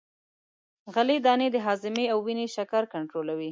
غلې دانې د هاضمې او وینې شکر کنترولوي.